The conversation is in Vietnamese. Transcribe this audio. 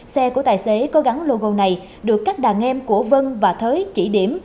xe của tài xế có gắn logo này được các đàn em của vân và thới chỉ điểm